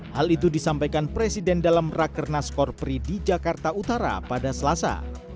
hal itu disampaikan presiden dalam raker naskor pri di jakarta utara pada selasa